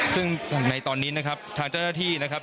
ซึ่งในตอนนี้นะครับทางเจ้าหน้าที่นะครับ